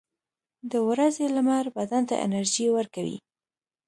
• د ورځې لمر بدن ته انرژي ورکوي.